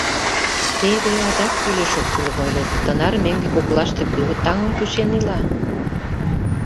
— Теве адак кӱлеш-оккӱлым ойлет: тынар меҥге коклаште кӧ таҥым кучен ила?